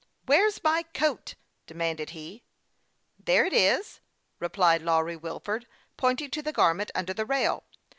"Where's my coat?" demanded he. " There it is," replied Lawry Wilford, pointing to the garment under the rail.